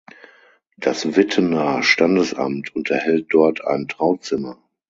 Das Wittener Standesamt unterhält dort ein Trauzimmer.